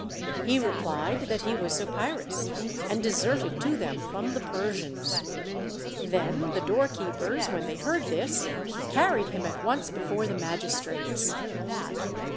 He replied that he was Zopyrus, and deserted to them from the Persians. Then the doorkeepers, when they heard this, carried him at once before the Magistrates.